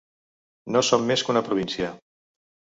No som més que una província.